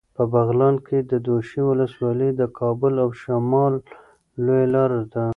په بغلان کې د دوشي ولسوالي د کابل او شمال لویه لاره ده.